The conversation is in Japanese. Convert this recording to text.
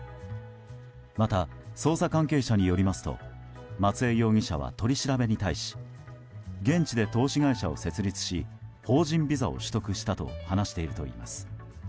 また、捜査関係者によりますと松江容疑者は取り調べに対し現地で投資会社を設立し法人ビザを取得したと話しているといいます。